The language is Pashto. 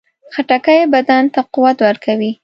خټکی بدن ته قوت ورکوي.